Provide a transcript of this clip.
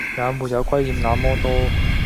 也沒有虧欠那麼多